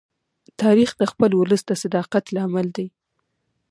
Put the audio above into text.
تاریخ د خپل ولس د صداقت لامل دی.